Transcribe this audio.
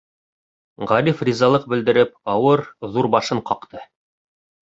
Ғариф ризалыҡ белдереп, ауыр, ҙур башын ҡаҡты.